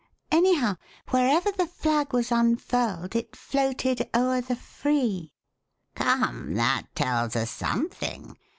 Anyhow, wherever the flag was unfurled it floated o'er the Free." SO Alice in a Fog " Come, that tells us something.